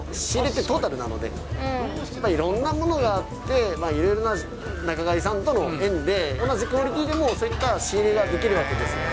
仕入れってトータルなので、いろんなものがあって、いろいろな仲買さんとの縁で、同じクオリティーでも仕入れができるわけです。